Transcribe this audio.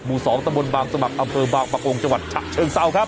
หมู่สองตำบลบางสมัครอำเภอบางปะโกงจังหวัดชะเชิงเศร้าครับ